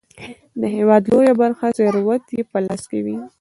د هیواد لویه برخه ثروت یې په لاس کې وي.